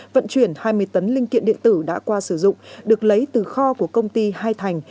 vận chuyển hai mươi tấn linh kiện điện tử đã qua sử dụng được lấy từ kho của công ty hai thành